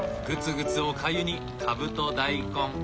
グツグツおかゆにカブと大根。